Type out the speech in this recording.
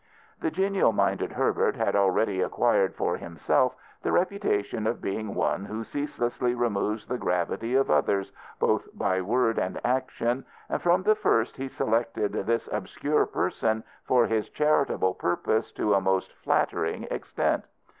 The genial minded Herbert had already acquired for himself the reputation of being one who ceaselessly removes the gravity of others, both by word and action, and from the first he selected this obscure person for his charitable purpose to a most flattering extent.